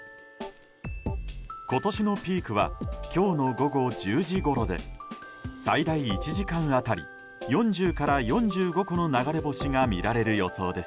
今年のピークは今日の午後０時で最大１時間当たり４０から４５個の流れ星が見られる予想です。